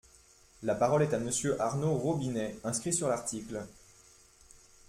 La parole est à Monsieur Arnaud Robinet, inscrit sur l’article.